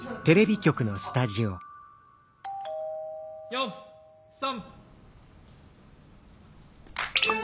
４３。